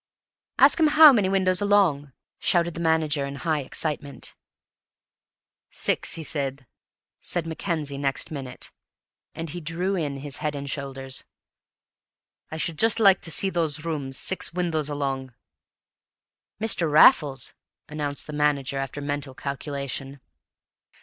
"Ask him how many windows along!" shouted the manager in high excitement. "Six, he says," said Mackenzie next minute; and he drew in his head and shoulders. "I should just like to see those rooms, six windows along." "Mr. Raffles," announced the manager after a mental calculation.